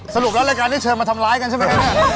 สรุปแล้วรายการนี้เชิญมาทำร้ายกันใช่มั้ย